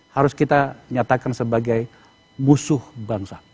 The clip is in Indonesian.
harus kita nyatakan sebagai musuh bangsa